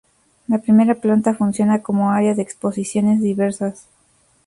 La primera planta funciona como área de exposiciones diversas.